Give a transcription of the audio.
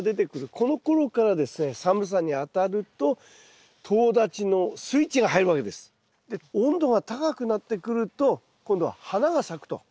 このころからですねで温度が高くなってくると今度は花が咲くと。